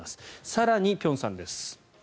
更に辺さんです。